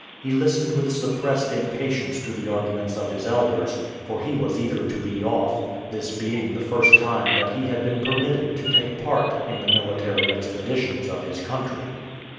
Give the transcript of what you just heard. He listened with suppressed impatience to the arguments of his elders, for he was eager to be off, this being the first time that he had been permitted to take part in the military expeditions of his country.